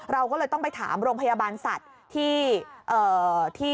เราก็เลยต้องไปถามโรงพยาบาลสัตว์ที่